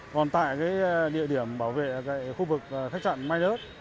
còn tại địa điểm bảo vệ khu vực khách trạng main earth